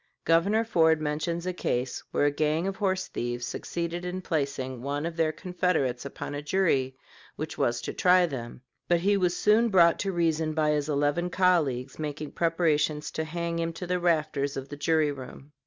Governor Ford mentions a case where a gang of horse thieves succeeded in placing one of their confederates upon a jury which was to try them; but he was soon brought to reason by his eleven colleagues making preparations to hang him to the rafters of the jury room.